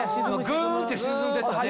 グンって沈んでったね。